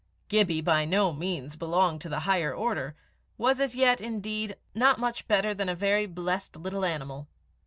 Gibbie by no means belonged to the higher order, was as yet, indeed, not much better than a very blessed little animal.